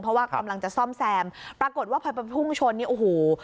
เพราะว่ากำลังจะซ่อมแซมปรากฏว่าพอไปพุ่งชนนี่โอ้โห